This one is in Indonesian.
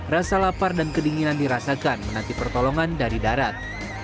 rasa lapar dan kedinginan dirasakan menanti pertolongan dari darat